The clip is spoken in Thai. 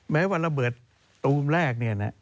แม้ว่าระเบิดตรุมแรก